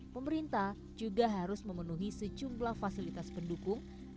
pemerintah juga harus memenuhi sejumlah fasilitas pendukung